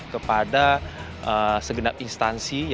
kepada segenap instansi